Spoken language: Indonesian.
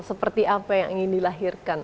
seperti apa yang ingin dilahirkan